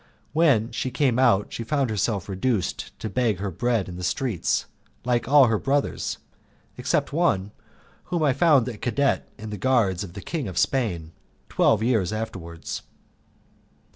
When she came out she found herself reduced to beg her bread in the streets, like all her brothers, except one, whom I found a cadet in the guards of the King of Spain twelve years afterwards.